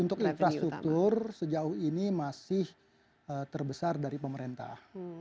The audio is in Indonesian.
untuk infrastruktur sejauh ini masih terbesar dari pemerintah